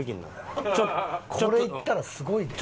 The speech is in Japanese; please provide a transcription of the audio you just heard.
これいったらすごいで。